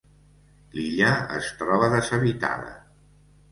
L'illa es troba deshabitada.